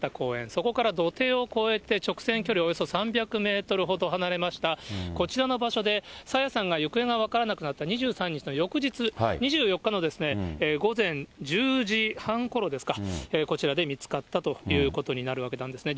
そこから土手を越えて、直線距離およそ３００メートルほど離れましたこちらの場所で、朝芽さんが行方が分からなくなった２３日の翌日、２４日の午前１０時半ごろですか、こちらで見つかったということになるわけなんですね。